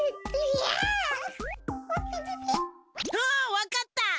あっわかった！